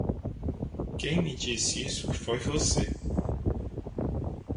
Quem me disse isso foi você!